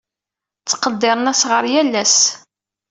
Ttqeddiren asɣar yal ass.